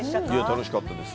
楽しかったです